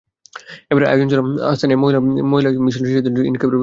এবারের আয়োজন ছিল আহছানিয়া মহিলা মিশনের শিশুদের জন্য একদিন ইফতারের ব্যবস্থা করা।